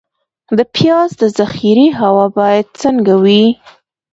د پیاز د ذخیرې هوا باید څنګه وي؟